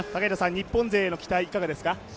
日本勢の期待、いかがですか？